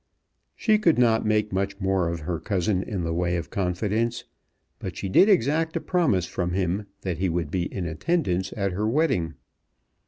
She could not make much more of her cousin in the way of confidence, but she did exact a promise from him, that he would be in attendance at her wedding.